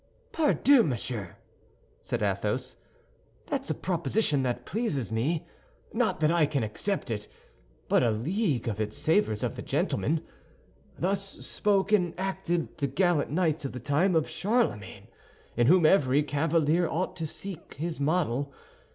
"Pardieu, monsieur!" said Athos, "that's a proposition that pleases me; not that I can accept it, but a league off it savors of the gentleman. Thus spoke and acted the gallant knights of the time of Charlemagne, in whom every cavalier ought to seek his model.